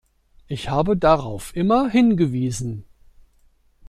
Ich habe darauf immer hingewiesen.